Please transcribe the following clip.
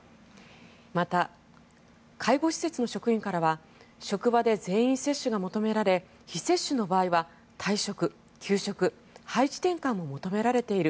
また、介護施設の職員からは職場で全員接種が求められ非接種の場合は退職、休職、配置転換も求められている。